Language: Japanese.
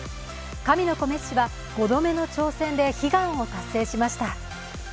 神の子・メッシは５度目の挑戦で悲願を達成しました。